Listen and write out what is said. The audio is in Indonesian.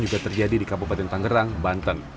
juga terjadi di kabupaten tangerang banten